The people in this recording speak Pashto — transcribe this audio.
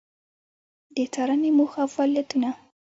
د څارنې موخه او فعالیتونه: